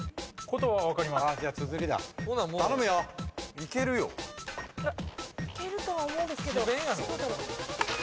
いけるとは思うんですけど。